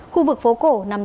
khu vực phố cổ nằm